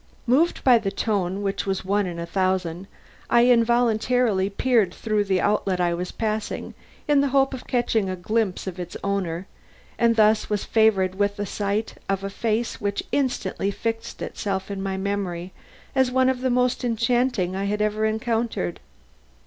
Moved by the tone, which was one in a thousand, I involuntarily peered through the outlet I was passing, in the hope of catching a glimpse of its owner, and thus was favored with the sight of a face which instantly fixed itself in my memory as one of the most enchanting I had ever encountered.